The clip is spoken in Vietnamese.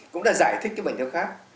cũng đã giải thích bệnh tiêu khát